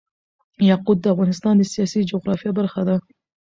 یاقوت د افغانستان د سیاسي جغرافیه برخه ده.